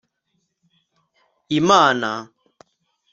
imana (x